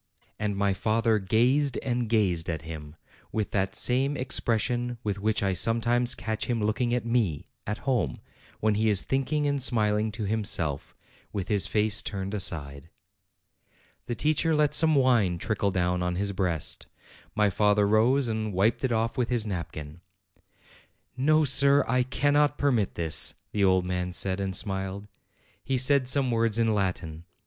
And my father gazed and gazed at him, with that same expression with which I sometimes catch him looking at me, at home, when he is thinking and smiling to himself, with his face turned aside. The teacher let some wine trickle down on his breast ; my father rose, and wiped it off with his nap kin. "No, sir; I cannot permit this," the old man said, and smiled. He said some words in Latin.